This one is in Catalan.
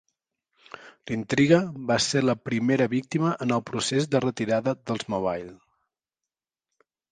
L'Intrigue va ser la primera víctima en el procés de retirada d'Oldsmobile.